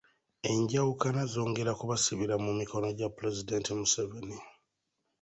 Enjawukana zongera kubasibira mu mikono gya Pulezidenti Museveni.